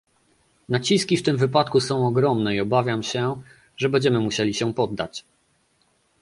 Naciski w tym przypadku są ogromne i obawiam się, że będziemy musieli się poddać